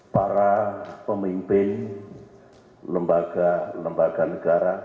para pemimpin lembaga lembaga negara